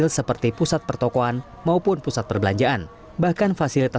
kasus seperti ini tidak jarang ditemukan petugas pemeriksa